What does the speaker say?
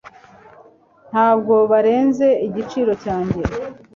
ntabwo barenze igiciro cyanjye